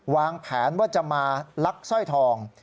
วางแผนว่าจะมาลักสร้อยทอง